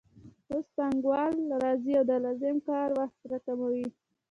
اوس پانګوال راځي او د لازم کار وخت راکموي